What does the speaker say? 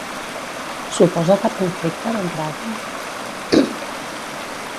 Suposa cap conflicte, d'entrada?